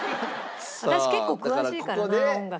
私結構詳しいからな音楽。